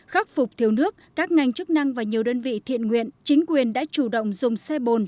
khắc phục thiếu nước các ngành chức năng và nhiều đơn vị thiện nguyện chính quyền đã chủ động dùng xe bồn